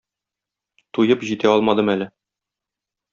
Туеп җитә алмадым әле.